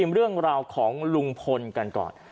เรื่องราวของลุงพลกันก่อน